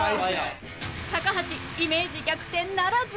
高橋イメージ逆転ならず